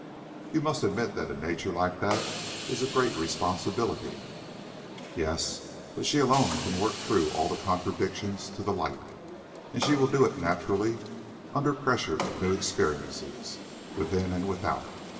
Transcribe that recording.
"You must admit that a nature like that is a great responsibility." "Yes, but she alone can work through all the contradictions to the light, and she will do it naturally, under pressure of new experiences, within and without.